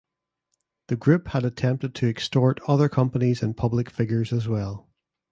The group had attempted to extort other companies and public figures as well.